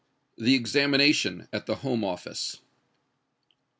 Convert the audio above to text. THE EXAMINATION AT THE HOME OFFICE.